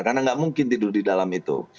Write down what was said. karena tidak mungkin tidur di dalam itu